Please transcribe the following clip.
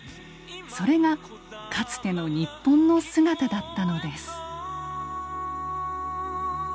それがかつての日本の姿だったのです。